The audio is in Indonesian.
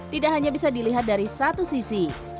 tidak hanya bisa dilihat dari satu sisi